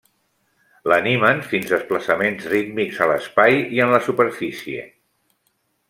L'animen fins desplaçaments rítmics a l'espai i en la superfície.